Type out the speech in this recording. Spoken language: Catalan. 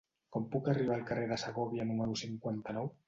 Com puc arribar al carrer de Segòvia número cinquanta-nou?